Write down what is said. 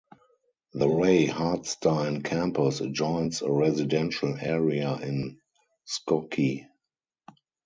The Ray Hartstein Campus adjoins a residential area in Skokie.